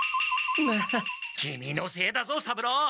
キミのせいだぞ三郎！